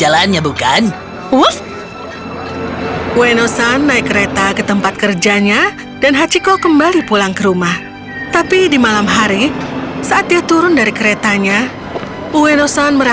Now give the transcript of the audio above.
profesor ueno ke stasiun kereta shibuya